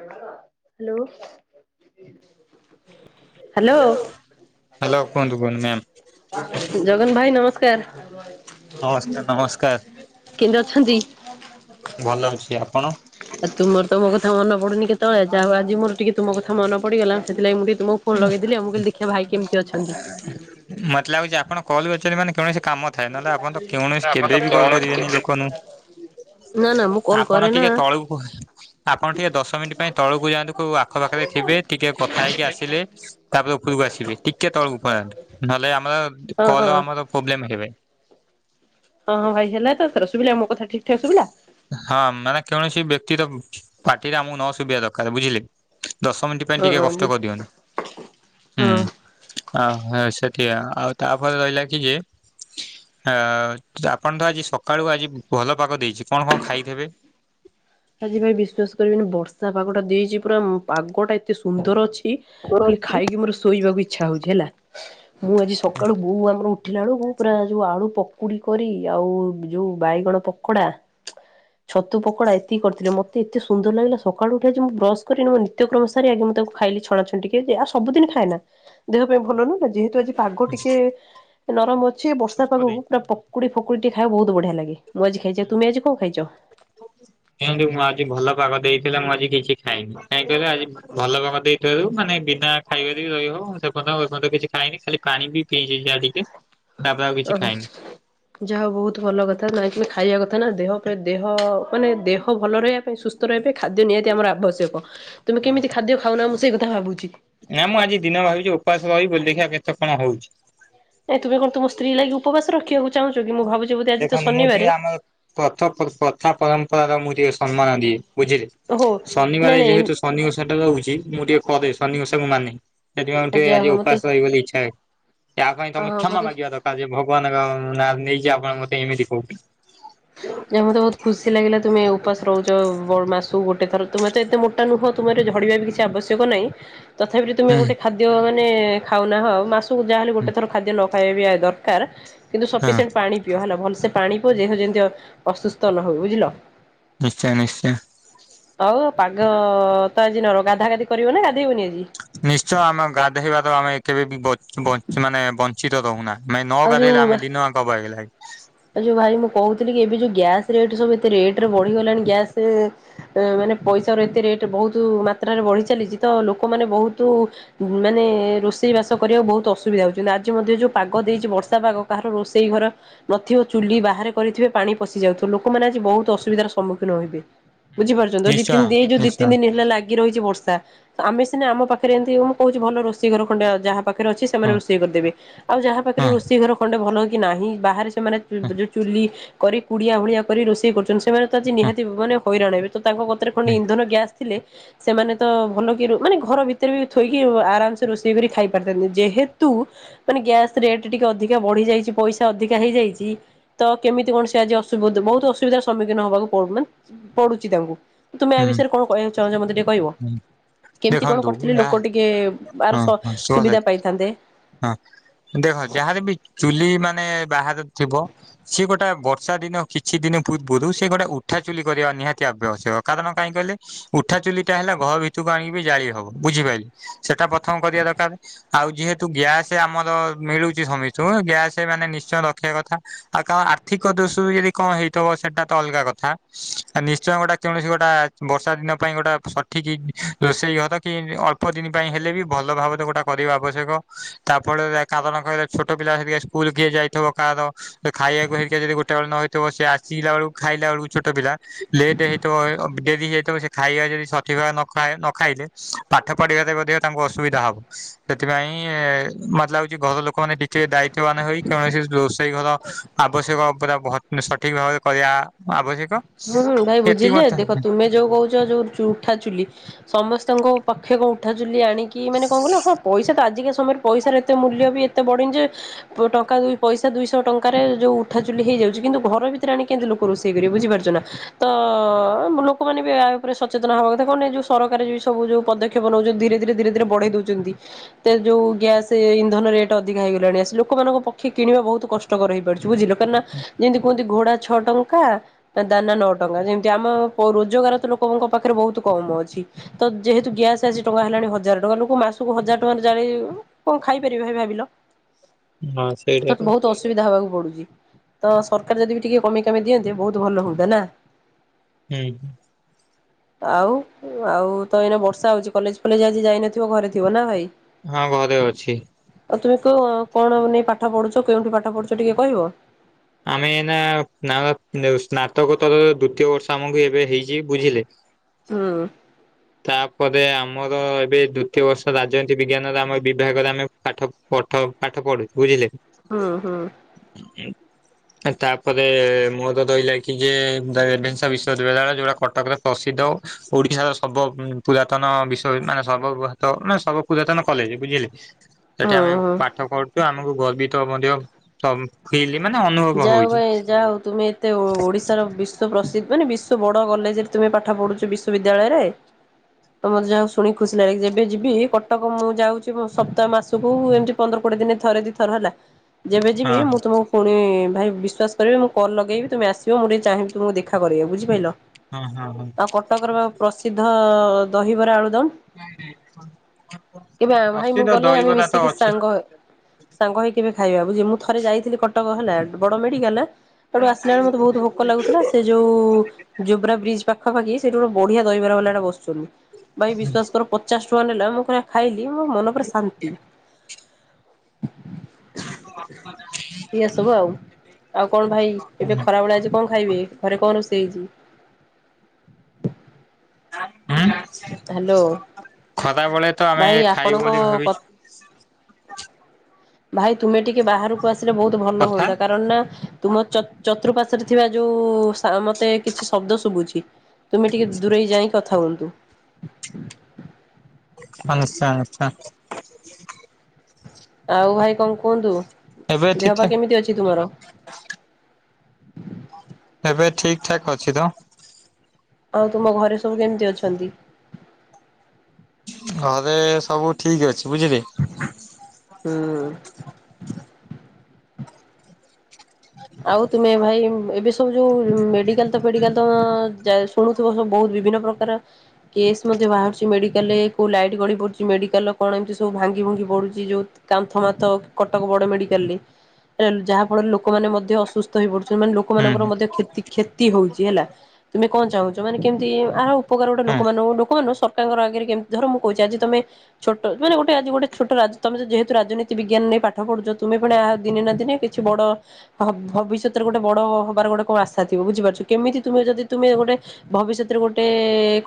Hello hello କୁହନ୍ତୁ କୁହନ୍ତୁ ma'am. Hello- Jagan ଭାଇ, ନମସ୍କାର। ନମସ୍କାର ନମସ୍କାର କେନ୍ତି ଅଛନ୍ତି? ଭଲ ଅଛି ଆପଣ? ଆଉ ତୁମର ତମ କ ମନ ପଡୁନି, କେତବେଳେ, ଯାହାଉ ଆଜି ମୋର ଟିକେ ତମ କଥା ମନେ ପଡିଗଲା, ସେଥିଲାଗି ମୁଁ ଟିକେ ମୁଁ ଫୋନ ଲଗେଇଥିଲି, ମୁଁ କହିଲି ଦେଖିବା ଭାଇ କେମିତି ଅଛନ୍ତି? ମତେ ଲାଗୁଛି ଆପଣ କଲ୍ କରିଚ ମାନେ କୌଣସି କାମ ଥାଏ, ନହେଲେ ଆପଣ ତ କୌଣସି କେବେ ବି କଲ୍ କରିବେନି ଲୋକମାନୁ ନା ନା ମୁଁ କଲ୍ ଆପଣ କରେ ନା ଟିକେ ତଳକୁ କୁହେ ଆପଣ ଟିକେ ଦଶ ମିନିଟ୍ ପାଇଁ ତଳକୁ ଯାନ୍ତୁ ଆଖପଖରେ ଥିବେ, ଟିକେ କଥା ହେଇକି ଆସିବେ । ଉଠିଲେ, ତାପରେ ଓପୋରକୁ ଆସିବେ, ଟିକେ ହଁ ହଁ। ହଁ ହଁ ଭାଇ ହେଲା ତ ଏଥର ଶୁଭିଲା ମୋ କଥା ଠିକ୍ ଠାକ୍ ଶୁଭିଲା? ହଁ ମାନେ କୌଣସି ବ୍ୟକ୍ତିର ପାଟି ଟା ଆମକୁ ନ ସୁବିିବା ଦରକାର। ବୁଝିଲେ ଦଶ ମିନିଟ୍ ପାଇଁ ହଁ ହଁ ଟିକେ କଷ୍ଟ କରିଦିଅନି। [unintelligible] ହଁ। ଆଉ ଆପଣ ତ ଆଜି ସକାଳୁ ଆଜି ଭଲ ପାଗ ଦେଇଛି କଣ କଣ ଖାଇଥେବେ? ଆଜି ଭାଇ ବିଶ୍ବାସ୍ କରିବେନି, ବର୍ଷା ପାଗଟା ଦେଇଚି ପୁରା ଉମ୍ ପାଗଟା ଏତେ ସୁନ୍ଦର ଅଛି, ଖାଲି ଖାଇକି ମୋର ଶୋଇବାକୁ ଇଛା ହଉଛି ହେଲା। ମୁଁ ଆଜି ସକାଳୁ ବୋଉ ଆମର ଉଠ ଉଠିଲା ବଳୁକୁ ପୁରା ଯୋଉ, ଆଳୁ ପକୁଡି କରି ଆଉ ଯୋଉ ବାଇଗଣ ପକୋଡା [inaudible] ଛତୁ ପକଡ଼ା ଏତିକି କରିଥିଲେ ।ମତେ ଏତେ ସୁନ୍ଦର ଲାଗିଲା, ସକାଳୁ ଉଠି ଆଜି ମୁଁ ବ୍ରସ୍ କରି ମୋ ନିତ୍ୟକ୍ରମ ସାରି ଆଗେ ମୁଁ ତାକୁ ଖା ଖାଇଲି ଛଣାଛଣି ଟିକେ, ଯେ ଆଉ ସବୁଦିନ ଖାଏନା, ଦେହ ପାଇଁ ଭଲ ନୁହେଁ ନା ଯେହେତୁ ଆଜି ପାଗ ଟିକେ ନରମ ଅଛି ବର୍ଷା ଶୁଷ୍କ ପାଗକୁ ଦେଇଛି। ପୁରା ପକୁଡି ଫକୁଡି ଖାଇବାକୁ ବହୁତ ବଢିଆ ଲାଗେ ।ମୁଁ ଆଜି ଖାଇଚି ଆଉ ତମେ ଆଜି କଣ ଖାଇଛ? କେମିତି ମ ଆଜି ଭଲ ପାଗ ଦେଇ ଥିଲା ମୁଁ ଆଜି କିଛି ଖାଇନି, କାଇଁ କହିଲ ଆଜି ଭଲ କାମ ଦେଇଥିବାରୁ ମାନେ ବିନା ଖାଇବାରେ ବି ରହି ହବ ମୁ ସେ ପ [unintelligible] କିଛି ଖାଇନି ଖାଲି ପାଣି ବି ପିଇଚି ଯାହା ଟିକେ ତାପରେ ଆଉ କିଛି ଓ ଖାଇନି। ଯାହା ହଉ, ବହୁତ ଭଲ କଥା ନାଇଁ ଖାଇବା କଥା ନା, ଦେହ ଉପରେ ଦେହ ମାନେ ଦେହ ଭଲ ରହିବା ପାଇଁ, ସୁସ୍ଥ ରହିବା ପାଇଁ, ଖାଦ୍ୟ ନିହାତି ଆମର ଆବ ଆବଶ୍ୟକ, ତୁମେ ହଁ କେମିତି ଖାଦ୍ୟ ଖାଉନା, ମୁଁ ସେଇ କଥା ଭାବୁଚି। ନା ମୁଁ ଆଜି ଦିନକ ଭାବିଚି ଉପାସ ରହିବି ବୋଲି, ଦେଖିବା କେତେ କଣ ହଉଚି। ନାଇଁ ତୁମେ କଣ ତୁମ ସ୍ତ୍ରୀ ଲାଗି ଉପବାସ ରଖିବାକୁ ଚାହୁଁଚ କି ମୁଁ ଭାବୁଚି ଦେଖନ୍ତୁ ମୁଁ ଟିକେ ଆମର ପ୍ରଥ - ପ୍ରଥା ପରମ୍ପରା ର ମୁଁ ଟିକେ ସମ୍ମାନ ଦିଏ। ବୁଝିଲେ ଓହୋ ନାଇଁ ଶନିବାର ନାଇଁ ଯେହେତୁ ଶନି ଓଷା ଟା ରହୁଚି, ମୁଁ ଟିକେ କରେ ଶନି ଓଷାକୁ ମାନେ। [unintelligible] ଯାହା ହଉ ଆଜି ମତେ ଉପାସ ରହିବି ବୋଲି ଇଚ୍ଛା ତା ପାଇଁ ଅ ତମେ କ୍ଷମା ମତେ ମାଗିବା ଦରକାର ଯେ- ଭଗବାନଙ୍କ ନାଁ ନେଇଛି ଆପଣ ମୋତେ ଏମିତି କହୁଛନ୍ତି। ଯ ମତେ ବହୁତ ଖୁସି ଲାଗିଲା ତୁମେ ଉପାସ ରହୁଛ ବଡ ମାସ ସବୁ ଗୋଟେ ଥର ତୁମେ ତ ଏତେ ମୋଟା ନୁହଁ, ତୁମର ଝଡିବା ବି କିଛି ଆବଶ୍ୟକ ନାହିଁ। ତଥାପି ତୁମେ ହୁଁ ଗୋଟେ ଖାଦ୍ୟ ମାନେ ଖାଉ ନାହାଁଉ, ମାସକୁ ଯାହାହଲେ ହୁଁ ଗଟେ ଥର ଖାଦ୍ୟ ନ ଖାଇବିଆ ଦରକାର କିନ୍ତୁ ହଁ ସଫିଏସିଣ୍ଟ ପାଣି ପିଅ ହେଲା, ଭଲସେ ପାଣି ପିଅ ଯେହ ଅସୁସ୍ଥ ନ ହଉ ବୁଝିଲ? ନିଶ୍ଚୟ ନିଶ୍ଚୟ। ହଉ ପାଗ ତ ଆଜି ନ ର ଗାଧା ଗାଧି କରିବ ନା ଗାଧ ନିଶ୍ଚୟ ଆମେ ଗାଧୋଇବାର ଆମେ କେବେ ବି ମାନେ ବଞ୍ଚିତ ରହୁନା। ମେ ନ ଆଉ ଗାଧେଇଲେ ଯୋଉ ଆମେ ଦିନ ୟାଙ୍କ ଗ୍ୟାସ୍ ରେଟ୍ ସବୁ ଏତେ ରେଟ୍ରେ ବଢ଼ିଗଲାଣି, ଗ୍ୟାସ୍ ମାନେ ପଇସାର ଏତେ ରେଟ୍ ବହୁତ ମାତ୍ରାରେ ବଢି ଚାଲିଛି ତ, ଲୋକମାନୋନ ବହୁତ ମାନେ ରୋଷେଇ ବାସ କରିବାକୁ ବହୁତ ଅସୁବିଧା ହଉଛି । ଆଜି ମଧ୍ୟ ଯୋଉ ପାଗ ଦେଇଛି ବର୍ଷା ପାଗ, କାହାର ରୋଷେଇ ଘର ନଥିବ ଚୁଲି ବାହାରେ କରିଥିବେ ପାଣି ପଶି ଯାଉଥିବ ଲୋକମାନେ ଆଜି ବହୁତ ଅସୁବିଧାର ସମ୍ମୁଖୀନ ହୋଇବେ। ବୁଝିପାରୁଛ ଦି ତିି ନିଶ୍ଚୟ ଦି ନିଶ୍ଚୟ ତିିନିଦିନ ହେଲା ଲାଗି ରହିଛି ବର୍ଷା ଆମେ ସିନା ଆମ ପାଖରେ ଏମିତି ମୁଁ କହୁଛି ଭଲ ରୋଷେଇ ଘର ଖଣ୍ଡେ ଯାହା ପାଖରେ ଅଛି ସେମାନେ ହଁ ରୋଷେଇ କରିଦେବେ ଆଉ ଯାହା ପାଖରେ ହଁ ରୋଷେଇ ଘର ଖଣ୍ଡେ ଭଲ କି ନାହିଁ ବାହାରେ ସେମାନେ ହଁ ଯୋଉ ଚୁଲି କରି କୁଡିଆ ଭଳିଆ କରି ରୋଷେଇ କରୁଛନ୍ତି ସେମାନେ ତ ଆଜି ହଁ। ନିହାତି ମାନେ ହଇରାଣ ହେବେ। ତ ତାଙ୍କ କତିରେ ଖଣ୍ଡେ ଇନ୍ଧନ ଗ୍ୟାସ୍ ଥିଲେ। ସେମାନେ ତ ଭଲ କି ମାନେ ଘର ଭିତରେ ବି ଥୋଇକି ଆରାମସେ ରୋଷେଇ କରି ଖାଇ ପାରିଥାନ୍ତେ ଯେହେତୁ ମାନେ ଗ୍ୟାସ ରେଟ୍ ଟିକେ ଅଧିକା ବଢି ଯାଇଛି ପଇସା ଅଧିକା ହେଇଯାଇଛି। ତ କେମିତି କଣ ସେ ଆଜି ଅସୁବି ବହୁତ ଅସୁବିଧାର ସମ୍ମୁଖୀନ ହବାକୁ ପ ମାନେ ପଡୁଛି ତାଙ୍କୁ। ତୁମେ ଏ ହୁଁ ବିଷୟରେ କଣ କହିବାକୁ ଚାହୁଁଛ ମୋତେ ଟିକେ କହିବ? ହୁଁ କେମିତି କଣ ଦେଖନ୍ତୁ କରିଥିଲେ ଏହା ଲୋକ ଟିକେ ଆର ହଁ ହଁ ଶୁଭ ସୁବିଧା ସହିତ ପାଇଥାନ୍ତେ? ହଁ ଦେଖ ଯାହାର ବି ଚୁଲି ମ ମାନେ ବାହାରେ ଥିବ ସେ ଗୋଟେ ବର୍ଷା ଦିନ କିଛି ଦିନ ପୂର୍ବରୁ ସେ ଗୋଟେ ଉଠାଚୁଲି କରିବାକୁ ନିହାତି ଆଶ୍ୟକ କାରଣ କାହିଁ କହିଲେ ଉଠା ଚୁଲି ଟା ହେଲା ଘର ଭିତରକୁ ଆଣିକି ଜାଳି ହବ ବୁଝିପାରିଲେ। ସେଟା ପ୍ରଥମ କରିବା ଦରକାର ଆଉ ଯେହେତୁ ତୁ ଗ୍ୟାସ ଆମର ମିଳୁଛି ସମସ୍ତଙ୍କୁ ଗ୍ୟାସ ମାନେ ନିଶ୍ଚୟ ରଖିବା କଥା ଆଉ କା ଆର୍ଥିକ ଯଦି କଣ ହେଇଥିବ ସେଇଟା ତ ଅଲଗା କଥା ନିଶ୍ଚୟ ଗୋଟେ କୌଣସି ଗୋଟା ବର୍ଷା ଦିନ ପାଇଁ ଗୋଟା ସଠିକ ରୋଷେଇ ହତ କି ଅଳ୍ପ ଦିନ ପାଇଁ ହେଲେ ବି ଭଲ ଭାବରେ ଗୋଟା କରିବା ଆବଶ୍ୟକ। ତାପରେ କାହାର କହିଲେ ଛୋଟ ପିଲା ହେରିକା ସ୍କୁଲ କିଏ ଯାଇଥିବ କାହାର ତ ଖାଇବାକୁ ହେଇଥିବ ଯଦି ଗୋଟେ ବେଳେ ନହେଇ ସେ ଆସଗିଲା ବେଳକୁ ଖାଇଲା ବେଳକୁ ଛୋଟ ପିଲା ଲେଟ ହେଇଥିବ ଡେରି ହେଇଥିବ ସେ ଖାଇବା ଯଦି ସଠିକ ନ ଖାଇଲେ ପାଠ ପଢିବାରେ ମଧ୍ୟ ତାଙ୍କୁ ଅସୁବିଧା ହବ ସେଥିପାଇଁ ଇଏ ମତଲବ୍ ହଉଛି ଘର ଲୋକମାନୋନ ଟିକେ ଦାୟିତ୍ବବାନ ହେଇ କୌଣସି ରୋଷେଇ ଘର ଆବଶ୍ୟକ ପୂରା ସଠିକ ଭାବରେ କରିବା ଆବଶ୍ୟକ। ହୁଁ ଭାଇ ଏତିକି ବୁଝିଲେ ମତେ ଦେଖ ତୁମେ ଯୋଉ କହୁଛ ଯୋଉ ଉଠା ଚୁଲି ସମସ୍ତେ ତାଙ୍କ ପାଖ କଣ ଉଠାୁଚୁଲି ଆଣିକି ମାନେ କଣ କହିଲ ହଁ ପଇସା ତ ଆଜିକା ସମୟରେ ପଇସ ର ଏତେ ମୂଲ୍ୟ ବି ଏତେ ବଢନି ଯେ ଟଙ୍କା ଦୁଇପଇସା ଦୁଇଶହ ଟଙ୍କାରେ ଯୋଉ ଉଠାଚୁଲି ହେଇ ଯାଉଛି କିନ୍ତ ଘର ଭିତରେ ଆଣି କେମିତି ରୋଷେଇ କରିବେ ବୁଝିପାରୁଛନ୍ତି। ତ ଲୋକମାନେ ବି ଉପରେ ସଚେତନ ହବା କଥା କଣ ଯୋଉ ସରକାର ଯୋଉ ସବୁ ଯୋଉ ପଦକ୍ଷେପ ଧୀରେ ଧୀରେ ଧୀରେ ଧୀରେ ବଢେଇ ଦଉଛନ୍ତି ଯୋଉ ଗ୍ୟାସ୍ ଇନ୍ଧନ ରେଟ ଅଧିକ ହେଇଗଲାଣି ଲୋକମାନେ ଲୋକଙ୍କ ପକ୍ଷେ କିଣିବା ବହୁତ କଷ୍ଟକର ହେଇପାରୁଛି ବୁଝିଲ କାହିଁକି ନା ଯେମିତି କୁହନ୍ତି ଘୋଡା ଛଅ ଟଙ୍କା ଦାନା ନଅ ଟଙ୍କା ଯେମିତି ଆମ ରୋଜଗାର ତ ଲୋକଙ୍କ ପାଖରେ ବହୁତ କମ ଅଛି ତ ଯେହେତୁ ଗ୍ୟାସ୍ ଟଙ୍କା ହେଲାଣି ହଜାର ଟଙ୍କା ଲୋକ ମାସକୁ ହଜାର ଟଙ୍କାରେ ଜାଳି କଣ ଖାଇପାରିବେ ଭାବିଲ? ହଁ ସେଇଟା ତ ତଙ୍କୁ ବହୁତ ଅସୁବିଧା ହବାକୁ। ପଡୁଛି ତ ସରକାର ଯଦି ବି ଟିକେ କମେଇ କାମେଇ ଦିଅନ୍ତେ ବହୁତ ଭଲ ହୁଅନ୍ତା ନା। ହୁଁ। ଆଉ ଆଉ ତ ଏଇନା ବର୍ଷା ହଉଛି କଲେଜ ଫଲେଜ ଆଜି ଯାଇନଥିବ ଘରେ ଥିବ ନା ଭାଇ? ହଁ ଘରେ ଅଛି। ଆଉ ତୁମେ କଣ ନେଇ ପାଠ ପଢୁଛ କେଉଁଠି ପାଠ ପଢୁଛ ଟିକେ କହିବ? ଆମେ ନା ନା ସ୍ନାତକ ତରର ଦ୍ଵିତୀୟ ବର୍ଷ ଆମକୁ ଏବେ ହେଇଛି ବୁଝିଲେ। ହୁଁ। ତାପରେ ଆମର ଏବେ ଦ୍ଵିତୀୟ ବର୍ଷ ରାଜନୀତି ବିଜ୍ଞାନର ଆମ ବିଭାଗରେ ଆମେ ପାଠ ପଢ ପାଠ ପାଠ ପଢୁଛିି ବୁଝିଲେ। ହଁ ହଁ। ତାପରେ ମୋ ତ ରହିଲା କି ରେଭେନ୍ସା ବିଶ୍ୱବିଦ୍ୟାଳୟ ଯୋଉଟା କଟକରେ ପ୍ରସିଦ୍ଧ। ଓଡିଶାର ସର୍ବ ପୁରାତନ ବିଶ୍ୱ ମାନେ ସର୍ବ ବୃହତ ମାନେ ସର୍ବ ପୁରାତନ କଲେଜ ବୁଝିଲେ। ସେଠି ଆମେ ହୁଁ। ପାଠ ପଡିଛୁ ଆମକୁ ଗର୍ବିତ ମଧ୍ୟ ଫିଲ୍ ମାନେ ଅନୁଭବ ଯାହା ହଉ ହଉଛି ଭାଇ ଯାହା ହଉ ତୁମେ ଏତେ ଓଡିଶାର ବିଶ୍ଵ ପ୍ରସିଦ୍ଧ ମାନେ ବିଶ୍ୱ ଏତେ ବଡ କଲେଜ ରେ ତୁମେ ପାଠ ପଢୁଛ । ବିଶ୍ୱବିଦ୍ୟାଳୟରେ। ତମ ଯାହା ହଉ ଶୁଣିି ଖୁସି ଲାଗେ ଯେବେ ଯିବି କଟକ, ମୁଁ ଯାଉଛି ମ ସପ୍ତା ମାସ ତୁବୁ ଏମିତି ପନ୍ଦର କୋଡିଏ ଦିନ ଥରେ ଦି ଥର ହେଲା ଯେବେ ଯିବି ହଁ ମୁଁ ତମକୁ ଇଁ ଭାଇ ବିଶ୍ୱାସ କରିବେ ମୁଁ କଲ୍ ଲଗେଇବି ତମେ ଆସିବ ମୁଁ ଟିକେ ଚାହିଁବି ତମକୁ ଦେଖା କରିବାକୁ ବୁଝିପାରିଲ। ହଁ ହଁ ହଁ ହଁ ଆଉ କଟକର ପ୍ରସିଦ୍ଧ ଦହିବରା ଆଳୁ [unintelligible] କେବେ ଆ ଭାଇ ମୁଁ ପ୍ରସିଦ୍ଧ ଗଲେ ଆମେ ଦହିବରା ତ ମିଶିକି ଅଛି। ସାଙ୍ଗ ହ ସାଙ୍ଗ ହେଇ କେବେ ଖାଇବା ବୁଝି ମୁଁ ଥରେ ଯାଇଥିଲି କଟକ ହେଲା ବଡ ମେଡିକାଲ। ହେଠୁ ଆସିବେଳେ ମତେ ବହୁତ ଭୋକ ଲାଗୁଥିଲା ସେ ଯୋଉ ଜୋବ୍ରା ବ୍ରିଜ ପାଖ ପାଖାପାଖି ସେଠୁ ଗୋଟେ ବଢିଆ ଦହିବରା ବାଲାଟା ବସୁଛନ୍ତି, ଭାଇ ବିଶ୍ଵାସ କର ପଚାଶ ଟଙ୍କା ନେଲା ମୁଁ ପୁରା ଖାଇଲି। ମୋ ମନ ପରା ଶାନ୍ତି। ହ ଏ ସବୁ ଆଉ। ଆଉ କଣ ଭାଇ ଏବେ ଖରା ବେଳେ ଆଜି କଣ ଖାଇବେ? ଘରେ କଣ ରୋଷେଇ ହେଇଛି? [inaudible] ହଁ ହ୍ୟାଲୋ ଖରା ବେଳେ ତ ଆମେ ଭାଇ ଖାଇବୁ ଆପଣଙ୍କ ବୋଲି କ ଭାବିଛୁ ଭାଇ ତୁମେ ଟିକେ ବାହାରକୁ ଆସିଲେ ବହୁତ ଭଲ କଥା ହୁଅନ୍ତା, କାରଣ ନା ତୁମ ଚ-ଚତୃର୍ପାଶ୍ୱରେ ଥିବା ଯୋଉ ସାଂ ମତେ କିଛି ଶବ୍ଦ ଶୁଭୁଛି ତୁମେ ଟିକେ ଦୂରେଇ ଯାଇ କଥା ହୁଅନ୍ତୁ। [unintelligible] ଆଉ ଭାଇ କଣ କୁହନ୍ତୁ? ଏବେ ଠିକ ଦେହ ପା ଠାକ କେମିତି ଅଛି ତୁମର? ଏବେ ଠିକ ଠାକ୍ ଅଛି ତ। ଆଉ ତୁମ ଘରେ ସବୁ କେମିତି ଅଛନ୍ତି? ଘରେ ସବୁ ଠିକ ଅଛି ବୁଝିଲେ। ହୁଁ। ଆଉ ତୁମେ ଭାଇ ଏବେ ସବୁ ଯୋଉ ମେଡିକାଲ ତ ଫେଡିକାଲ ତ ଅ ଯା ଶୁଣୁଥିବ ସବୁ ବହୁତ ବିଭିନ୍ନ ପ୍ରକାର କେସ୍ ମଧ୍ୟ ବାହାରୁଛି ମେଡିକାଲରେ କୋଉ ଲାଇଟ୍ ଗଡି ପଡୁଛି ମେଡିକାଲ କଣ ଏମିତି ସବୁ ଭାଙ୍ଗି ଭୁଙ୍ଗି ପଡୁଚି ଯୋଉ କାନ୍ଥ ମାନ୍ଥ କଟକ ବଡ ମେଡିକାଲରେ ଆ ଯାହା ଫଳରେ ଲୋକମାନେ ମ ଅସୁସ୍ଥ ହେଇ ପଡୁଛନ୍ତି ମାନେ ହୁଁ ଲୋକମାନଙ୍କର ମଧ୍ୟ କ୍ଷତି କ୍ଷତି ହଉଛି ହେଲା ତୁମେ କଣ ଚାହୁଁଛ ମାନେ କେମିତି ଆର ଉପକାର ଗୋଟେ ହୁଁ ଲୋକମାନଙ୍କୁ ଲୋକମାନର ନୁହଁ ସରକାର ସରକାରଙ୍କର ଆ ଆଗରେ କେ ଧର ମୁଁ କହୁଛି ଆଜି ତମେ ଛୋଟ ଯୋଉ ମାନେ ଗୋଟେ ଆଜି ଗୋଟେ ଛୋଟ ରା ତମେ ଯଦି ଯେହେତୁ ରାଜନୀତି ବିଜ୍ଞାନ ନେଇ ପାଠ ପ ପଢ଼ୁଛ ତୁମେ ପୁଣି ଆ ଦିନେ ନା ଦିନେ କିଛି ବଡ ଭ ଭବିଷ୍ୟତରେ ଗୋଟେ ବଡ ହବାର ଗୋଟେ କଣ ଆଶା ଥିବ ବୁଝପାରୁଛ, କେମିତି ତୁମେ ଯଦି ତୁମେ ଗୋଟେ ଭବିଷ୍ୟତ ଗୋଟେ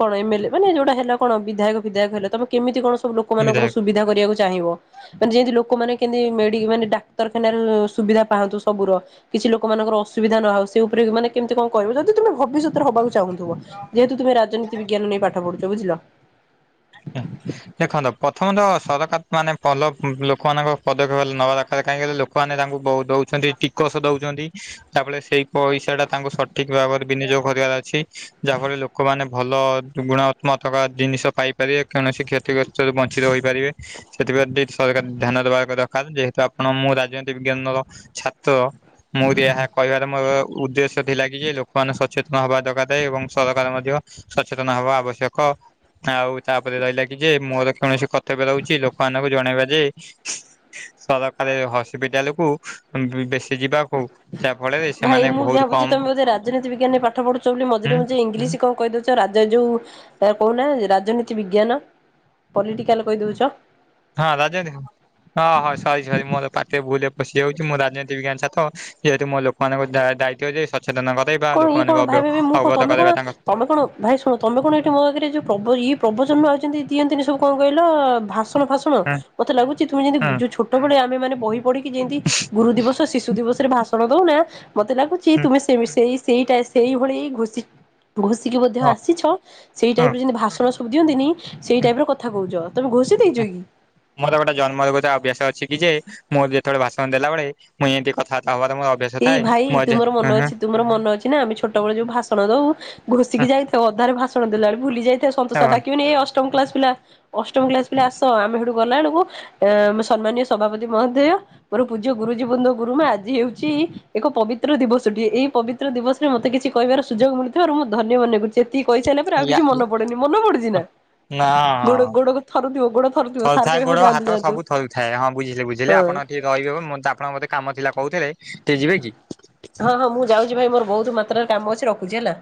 କଣ ଏମ ଏଲ ମାନେ ଯୋଉଟା ହେଲା କଣ ବିଧାୟକ ବିଧାୟକ ହେଲା ତମେ କେମିତି କଣ ଲୋକମାନଙ୍କର ର ନିରାକ ସୁବିଧା କରିବାକୁ ଚାହିଁବ ଯେମିତି ଲୋ ଲୋକମାନେ କେମିତି ମେଡି ମାନେ ଡାକ୍ତରଖାନର ସୁବିଧା ପାଆନ୍ତୁ। ସବୁର କିଛି ଲୋକମାନଙ୍କର ଅସୁବିଧା ନ ହଉ ସେ ଉପରେ ମାନେ କେମିତି କଣ କରିବ ଯଦି ତମେ ଭବିଷ୍ୟତରେ ହବାକୁ ଚାହୁଁଥିବ? ଯେହେତୁ ତୁମେ ରାଜନୀତି ବିଜ୍ଞାନ ନେଇ ପାଠ ପଢୁଛ ବୁଝିଲ। ଦେଖନ୍ତୁ ପ୍ରଥମ ତ ସରକାର ମାନେ ଭଲ ଉଁ ଲୋକମାନଙ୍କ ପଦକ୍ଷେପ ନେବା ଦରକାର କାହିଁକିନା ଲୋକମାନେ ତାଙ୍କୁ ବହୁତ ଦେଉଛନ୍ତି ଟିକସ ଦଉଛନ୍ତି। ତା ଫଳେ ସେଇ ପଇସାଟା ତାଙ୍କୁ ସଠିକ ଭାବରେ ବିନିଯୋଗ କରିବାର ଅଛି ଯାହା ଫଳରେ ଲୋକମାନେ ଭଲ [unintelligible] ଗୁଣାତ୍ମକ ଜିନିଷ ପାଇ ପାରିବେ କୌଣସି କ୍ଷତିଗ୍ରସ୍ତରୁ ବଞ୍ଚିତ ହୋଇପାରିବେ ସେଥିପ୍ରତି ସରକାର ଧ୍ୟାନ ଦେବା ଦରକାର ଯେହେତୁ ଆ କଣ ମୁଁ ରାଜନୀତି ବିଜ୍ଞାନର ଛାତ୍ର। ମୋର ଏହା କହିବାର ମୋର ଉଦ୍ଦେଶ୍ୟ ଥିଲା କି ଯେ ଲୋକମାନେ ସଚେତନ ହବା ଦରକାର ଥା ଏବଂ ସରକାର ମଧ୍ୟ ସଚେତନ ହବା ଆବଶ୍ୟକ ଆଉ ତାପରେ ରହିଲା କି ଯେ ମୋର କୌଣସି କର୍ତ୍ତବ୍ୟ ରହୁଛି ଲୋକମାନଙ୍କୁ ଜଣେଇବା। ଯେ ସରକାରୀ ହସ୍ପିଟାଲକୁ ବେ-ବେସି ଭାଇ ମୁଁ ବହୁତ ଭାବୁଛି କମ ତମେ ବୋଧେ ରାଜନୀତି ବିଜ୍ଞାନରେ ପାଠ ପଢୁଛ ବୋଲି ହୁଁ ମଝିରେ ମଝେ ଇଂଲିଶ କହୁ କହିଦଉଛ ରାଜ ଯୋଉ ଏ କହୁନା ରାଜନୀତି ବିଜ୍ଞାନ। ପଲିଟିକାଲ କହିଦଉଛ। ହଁ ରାଜନୀ ହଁ ହଁ ସରି ସରି ମୋର ପାଟିରେ ଭୁଲରେ ପଶିଯାଉଛି ମୁ ରାଜନୀତି ବିଜ୍ଞାନ ଛାତ ଯେହେତୁ ମୋ ଲୋକମାନଙ୍କ ଦା ଦାୟିତ୍ୱ ଯେ ସଚେତନ କରେଇବା କଣ ଇଏ କଣ ଲୋକମାନଙ୍କୁ ଭାଇ ଭାଇ ମୁଁ କଣ ଅବଗତ ତମେ କଣ କରେଇବା ତାଙ୍କ ତମେ କଣ ଭାଇ ଶୁଣ ତମେ କଣ ଏଇଠି ମୋ ଆଗରେ ଯୋଉ ପ୍ର ପ୍ରଭଜନ୍ମ ଅଛନ୍ତି ଦିଅନ୍ତିନି ସବୁ କଣ କହିଲ ଭା ଭାଷଣ ହୁଁ ମତେ ଲାଗୁଛି ତୁମେ ହୁଁ ଯେମିତି ଛୋଟ ବେଳେ ଆମେ ମାନେ ବହି ପିକି ଯେମତି ଗୁରୁ ଦିବସ ଶିଶୁ ଦିବସରେ ଭାଷଣ ଦଉନା ମତେ ଲାଗୁଛି ହୁଁ ତୁମେ ସେ ସେଇ ସେଇଟ ସେଇ ଭଳି ଘଷ ଘୋଷିକି ମଧ୍ୟ ହଁ ଆସିଛ ସେଇ ହୁଁ ଟାଇପ ରେ ଯେମିତି ଭାଷଣ ସବୁ ଦିଅନ୍ତିନି ସେଇ ଟାଇପ ର କଥା କହୁଛ। ତମେ ଘୋଷି ହୁଁ ଦେଇଛ କି? ମୋର ଗୋଟେ ଜନ୍ମରଗତ ଅଭ୍ୟାସ ଅଛି କି, ଯେ ମୋର ଯେତେବେଳେ ଭାଷଣ ଦେଲା ବବେଳେ ମୁଇଁ ଏମତି କଥାବାର୍ତା ହବା ଏଇ ଭାଇ ତୁମର ମନ ଅଛି ତୁମର ମନ ଅଛି ନା ଆମେ ଛୋଟ ବଳେ ଯୋଉ ଭାଷଣ ଦଉ ଘୁଷିକି ଯାଇଥାଉ ଅଧାରେ ଭାଷଣ ଦେଲା ବେ ଭୁଲି ଯାଇଥାଏ। ସନ୍ତୋଷ ସାର୍ ଡାକିବେନି ଏଇ ଅଷ୍ଟମ କ୍ଲାସ ପିଲା ଅଷ୍ଟମ କ୍ଲାସ ପିଲା ଆସ, ଆମେ ସେଠୁ ଗଲା ବକୁ ସମ୍ମାନୀୟ ସଭାପତି ମହୋଦୟ ମୋର ପୂଜ୍ୟ ଗୁରୁଜୀ ବୃନ୍ଦ ଗୁରୁମା ଆଜି ହେଉଛି ଏକ ପବିତ୍ର ଦିବସଟିଏ ଏଇ ପବିତ୍ର ଦିବସରେ ମତେ କିଛି କହିବାର ସୁଯୋଗ ମିଳଥିବାରୁ, ମୁଁ ଧନ୍ୟ ମନେ କରୁଛି। ସେ କହିସାରିଲା ପରେ ଆଉ କିଛି ଆଜି ମନ ପଡୁନି, ମନ ପଡୁଛି ନା? ନା ଗୋଡ ହଁ ଗୋଡ ଥରୁଥିବ ଗୋଡ ଥରୁଥିବ ସାର୍ ଥରୁଥାଏ କହିବେ ହଉ ଗୋଡ ଯାଆନ୍ତୁ ହାତ ଯାଆନ୍ତୁ ସବୁ ଥରୁ ଥାଏ ହଁ ବୁଝିଲେ ବୁଝିଲେ ହଁ ଆପଣ ରହିବେ ଆପଣଙ୍କ ମତେ କାମ ଥିଲା କହୁଥିଲେ ଟିକେ ଯିବେ କି? ହଁ ହଁ ମୁଁ ଯାଉଛି ଭାଇ ମୋର ବହୁତ ମାତ୍ରାରେ କାମ ଅଛି ରଖୁଛି ହେଲା।